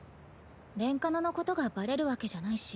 レンカノのことがバレるわけじゃないし。